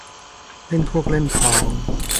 เล่นพวกเล่นพ้อง